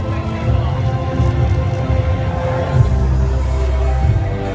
สโลแมคริปราบาล